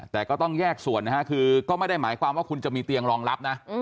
แต่ก็ต้องแยกส่วนนะฮะคือก็ไม่ได้หมายความว่าคุณจะมีเตียงรองรับนะ